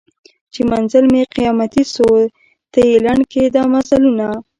چي منزل مي قیامتي سو ته یې لنډ کي دا مزلونه